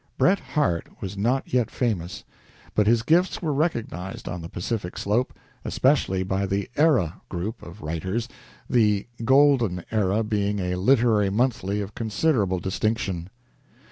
Bret Harte was not yet famous, but his gifts were recognized on the Pacific slope, especially by the "Era" group of writers, the "Golden Era" being a literary monthly of considerable distinction.